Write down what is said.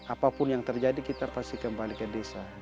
apapun yang terjadi kita pasti kembali ke desa